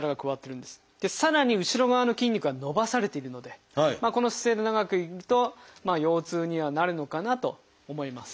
さらに後ろ側の筋肉が伸ばされているのでこの姿勢で長くいると腰痛にはなるのかなと思います。